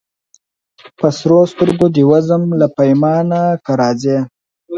په سرو سترګو دي وزم له پیمانه که راځې